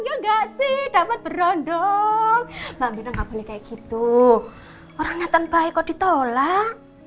ya enggak sih dapat berondong mbak mirna nggak boleh kayak gitu orang nathan baik kok ditolak